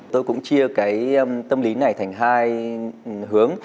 tôi cũng chia cái tâm lý này thành hai hướng